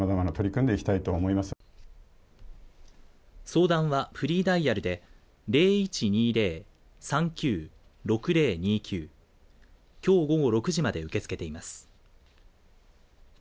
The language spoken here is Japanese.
相談は、フリーダイヤルで０１２０‐３９‐６０２９きょう午後６時まで受け付けています。